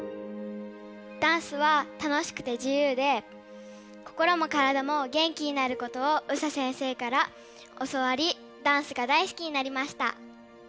ダンスは楽しくて自由で心もカラダも元気になることをＳＡ先生から教わりダンスが大好きになりました。